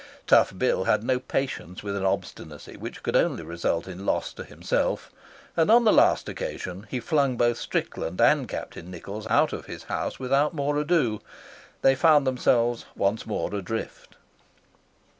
Tough Bill had no patience with an obstinacy which could only result in loss to himself, and on the last occasion he flung both Strickland and Captain Nichols out of his house without more ado. They found themselves once more adrift.